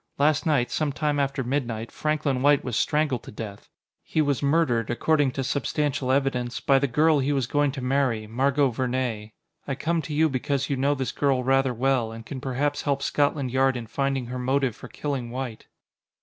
Last night, some time after midnight, Franklin White was strangled to death. He was murdered, according to substantial evidence, by the girl he was going to marry Margot Vernee. I come to you because you know this girl rather well, and can perhaps help Scotland Yard in finding her motive for killing White."